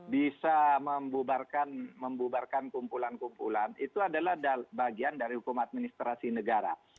bisa membubarkan kumpulan kumpulan itu adalah bagian dari hukum administrasi negara